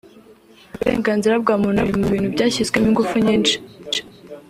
Ati « uburenganzira bwa muntu biri mu bintu byashyizwemo ingufu nyinshi